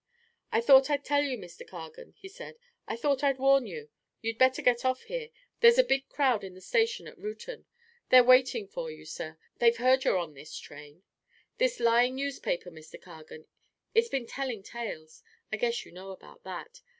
"I thought I'd tell you, Mr. Cargan," he said "I thought I'd warn you. You'd better get off here. There's a big crowd in the station at Reuton. They're waiting for you, sir; they've heard you're on this train. This lying newspaper, Mr. Cargan, it's been telling tales I guess you know about that.